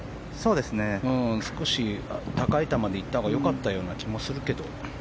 少し高い球でいったほうが良かったような気もするけど。